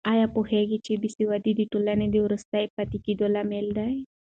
آیا پوهېږې چې بې سوادي د ټولنې د وروسته پاتې کېدو لامل ده؟